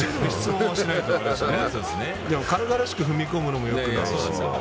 軽々しく踏み込むのもよくないし。